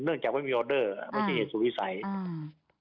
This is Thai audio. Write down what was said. เนื่องจากไม่มีออเดอร์อ่าไม่มีเหตุสูตรวิสัยอ่า